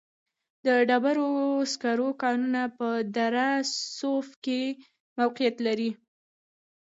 د ډبرو سکرو کانونه په دره صوف کې موقعیت لري.